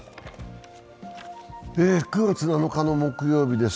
９月６日の木曜日です。